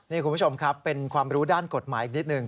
นี่คุณผู้ชมครับเป็นความรู้ด้านกฎหมายอีกนิดหนึ่ง